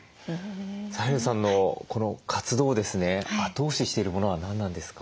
サヘルさんのこの活動をですね後押ししてるものは何なんですか？